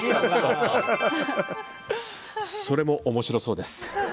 それも面白そうです。